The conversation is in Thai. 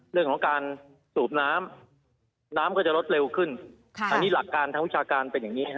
เรื่องของการสูบน้ำน้ำก็จะลดเร็วขึ้นอันนี้หลักการทางวิชาการเป็นอย่างนี้ฮะ